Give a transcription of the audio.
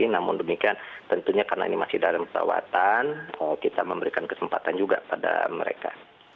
namun demikian tentunya karena ini masih dalam perawatan kita memberikan kesempatan juga pada mereka